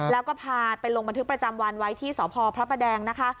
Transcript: แล้วก็พาไปลงบันทึกประจำวันไว้ที่สพพระประแดงนะคะ